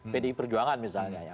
pdi perjuangan misalnya ya